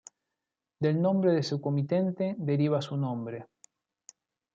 Del nombre de su comitente deriva su nombre.